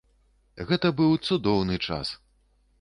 Гэты быў цудоўны час.